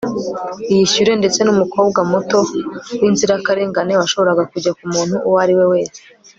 iyishyure ndetse numukobwa muto winzirakarengane washoboraga kujya kumuntu uwo ariwe wese